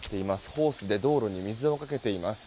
ホースで道路に水をかけています。